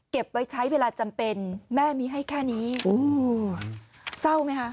ไว้ใช้เวลาจำเป็นแม่มีให้แค่นี้เศร้าไหมคะ